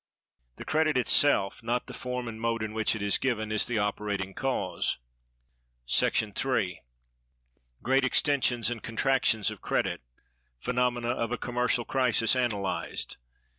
The credit itself, not the form and mode in which it is given, is the operating cause. § 3. Great extensions and contractions of Credit. Phenomena of a commercial crisis analyzed.